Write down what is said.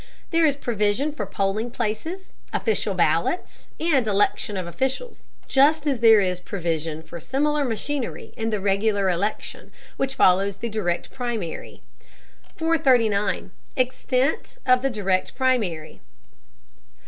There is provision for polling places, official ballots, and election of officials, just as there is provision for similar machinery in the regular election which follows the Direct Primary. 439. EXTENT OF THE DIRECT PRIMARY.